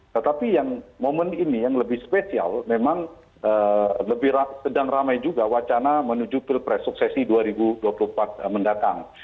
tetapi yang momen ini yang lebih spesial memang sedang ramai juga wacana menuju pilpres suksesi dua ribu dua puluh empat mendatang